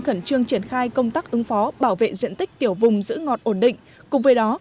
khẩn trương triển khai công tác ứng phó bảo vệ diện tích tiểu vùng giữ ngọt ổn định cùng với đó